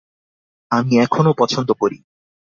আমি এখনো পছন্দ করি।